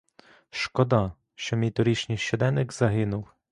Шкода, що мій торішній щоденник загинув.